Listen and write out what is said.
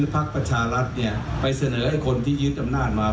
พักประชารัฐไปเสนอให้คนที่ยึดอำนาจมา